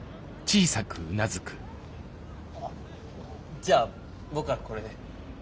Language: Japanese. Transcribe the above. じゃあ僕はこれで。